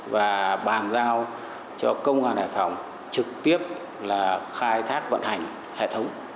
và bàn giao cho công an hải phòng trực tiếp là khai thác vận hành hệ thống